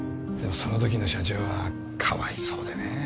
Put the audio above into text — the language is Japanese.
その時の社長はかわいそうでね